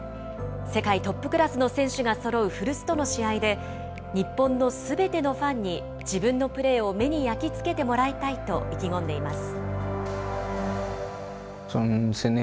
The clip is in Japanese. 世界トップクラスの選手がそろう古巣との試合で、日本のすべてのファンに自分のプレーを目に焼き付けてもらいたいと意気込んでいます。